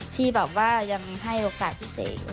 ที่ยังให้โอกาสพี่เศษ